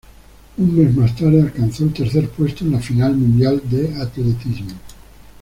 Un mes más tarde alcanzó el tercer puesto en la Final Mundial de Atletismo.